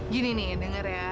gini nih denger ya